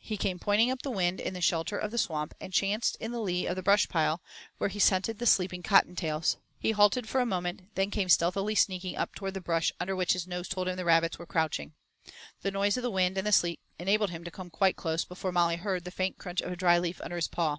He came pointing up the wind in the shelter of the Swamp and chanced in the lee of the brush pile, where he scented the sleeping Cotton tails. He halted for a moment, then came stealthily sneaking up toward the brush under which his nose told him the rabbits were crouching. The noise of the wind and the sleet enabled him to come quite close before Molly heard the faint crunch of a dry leaf under his paw.